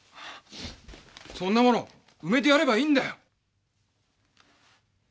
そんなもの埋めてやればいいんだよ！